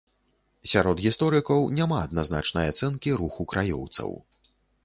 Сярод гісторыкаў няма адназначнай ацэнкі руху краёўцаў.